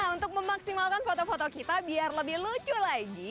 untuk memaksimalkan foto foto kita biar lebih lucu lagi